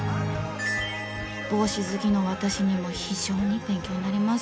帽子好きの私にも非常に勉強になります